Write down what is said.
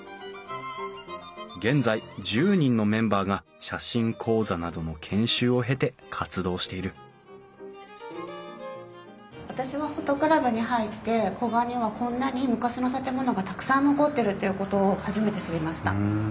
現在１０人のメンバーが写真講座などの私はＰｈｏｔｏクラブに入って古河にはこんなに昔の建物がたくさん残ってるっていうことを初めて知りました。